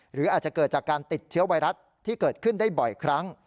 หรืออาจจะเกิดจากการติดเชื้อไวรัสที่เกิดขึ้นได้บ่อยครั้ง